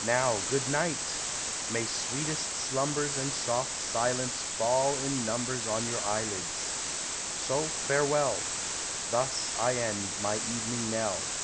Now, good night ! may sweetest slumbers And soft silence fall in numbers On your eyelids. So farewell : Thus I end my evening knell.